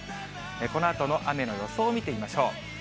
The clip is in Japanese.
このあとの雨の予想を見てみましょう。